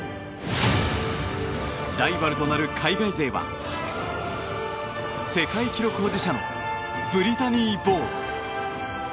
ライバルとなる海外勢は世界記録保持者のブリタニー・ボウ。